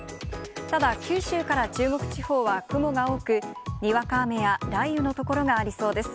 ただ、九州から中国地方は雲が多く、にわか雨や雷雨の所がありそうです。